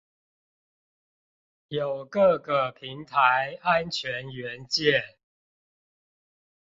有各個平台安全元件